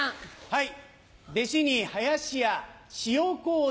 はい。